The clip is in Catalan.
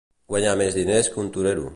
Guanyar més diners que un torero.